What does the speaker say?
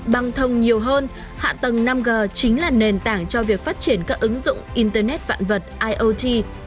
băng thông nhiều hơn hạ tầng năm g chính là nền tảng cho việc phát triển các ứng dụng internet vạn vật iot